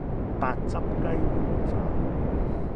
白汁雞皇飯